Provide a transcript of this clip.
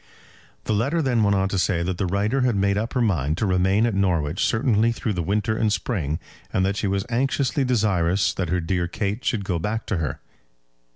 The letter then went on to say that the writer had made up her mind to remain at Norwich certainly through the winter and spring, and that she was anxiously desirous that her dear Kate should go back to her.